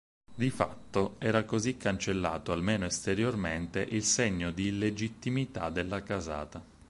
Di fatto, era così cancellato almeno esteriormente il segno di illegittimità dalla casata.